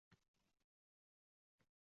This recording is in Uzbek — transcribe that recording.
Yaxshisi, etiklarga pul solib qoʻy